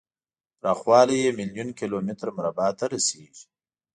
پراخوالی یې میلیون کیلو متر مربع ته رسیږي.